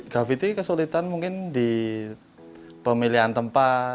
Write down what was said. grafiti kesulitan mungkin di pemilihan tempat